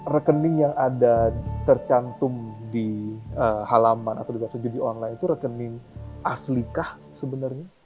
rekening yang ada tercantum di halaman atau di luar studio di online itu rekening aslikah sebenarnya